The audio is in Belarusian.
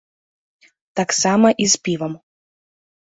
Таксама і з півам.